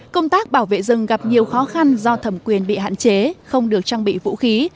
công tác bảo vệ rừng gặp nhiều khó khăn do thẩm quyền bị hạn chế không được trang bị vũ khí